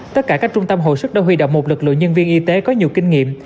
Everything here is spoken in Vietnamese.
tất cả các trung tâm hồi sức đã huy động một lực lượng nhân viên y tế có nhiều kinh nghiệm